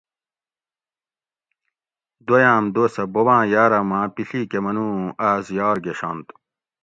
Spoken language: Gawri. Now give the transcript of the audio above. دویام دوسہ بوباں یاۤرہ ماں پیڷی کہ منو اُوں آس یار گشنت